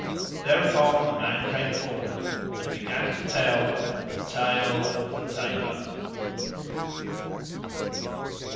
Thereupon the man came forward and began to tell the Tale of the Tailor.